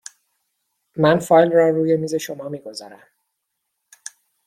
من فایل را روی میز شما می گذارم.